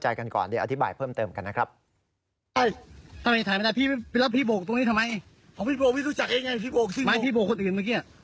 มาถ่ายนะพี่